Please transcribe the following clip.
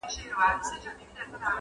مېله وال د شاله مار یو ګوندي راسي -